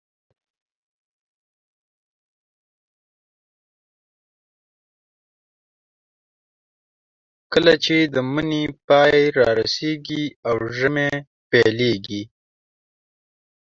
کله چې د مني پای رارسېږي او ژمی پیلېږي.